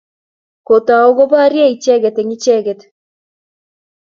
Kotou koporyo icheket eng' icheket.